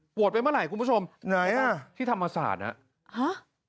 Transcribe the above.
โหวตไปเมื่อไหร่คุณผู้ชมที่ธรรมศาสตร์น่ะไหนอ่ะ